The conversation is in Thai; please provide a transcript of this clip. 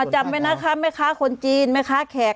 จำไหมนะคะไม่ข้าวคนจีนไม่ข้าแขก